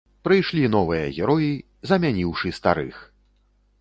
Прыйшлі новыя героі, замяніўшы старых!